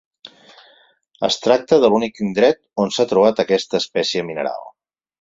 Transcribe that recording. Es tracta de l'únic indret on s'ha trobat aquesta espècie mineral.